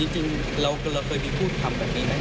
จริงเราเคยมีพูดคำแบบนี้ไหม